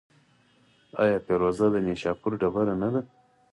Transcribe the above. آیا فیروزه د نیشاپور ډبره نه ده؟